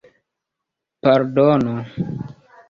pardono